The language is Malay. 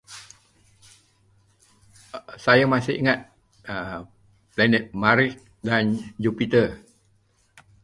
Saya masih ingat planet Marikh dan Jupiter.